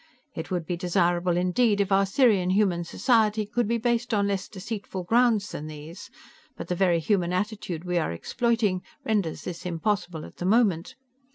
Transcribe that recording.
It would be desirable indeed if our Sirian human society could be based on less deceitful grounds than these, but the very human attitude we are exploiting renders this impossible at the moment.